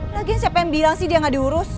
lagi siapa yang bilang sih dia nggak diurus